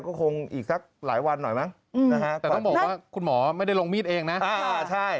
ก็คงอีกสักหลายวันหน่อยมั้งนะฮะแต่ต้องบอกว่าคุณหมอไม่ได้ลงมีดเองนะใช่